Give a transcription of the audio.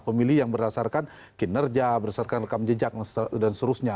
pemilih yang berdasarkan kinerja berdasarkan rekam jejak dan seterusnya